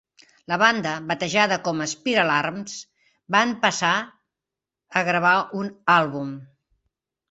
La banda, batejada com Spiralarms, van passar a gravar un àlbum.